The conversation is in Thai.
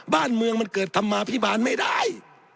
บ้านเมืองมันเกิดธรรมาภิบาลไม่ได้